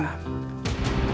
jangan pindah sekarang